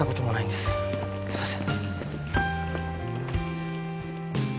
すいません